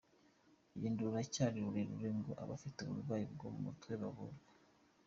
Urugendo ruracyari rurerure ngo abafite uburwayi bwo mu mutwe bavurwe